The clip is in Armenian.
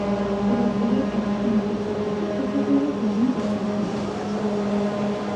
Ուղեծրերի էքսցենտրիսիտետը ցույց է տրված դեղին սեգմենտների տեսքով։